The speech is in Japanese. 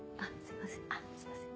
あっすいません。